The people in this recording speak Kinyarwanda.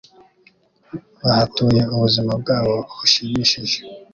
Bahatuye ubuzima bwabo bushimishije